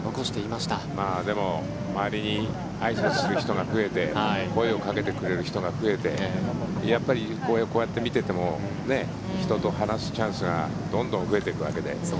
まあでも、周りにあいさつする人が増えて声をかけてくれる人が増えてやっぱりこうやって見ていても人と話すチャンスがどんどん増えていくわけで。